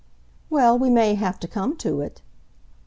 "Well, we may have to come to it."